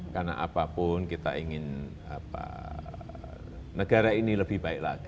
karena apapun kita ingin negara ini lebih baik lagi